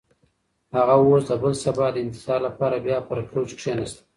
هغه اوس د بل سبا د انتظار لپاره بیا پر کوچ کښېناسته.